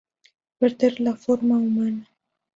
Perder la forma humana.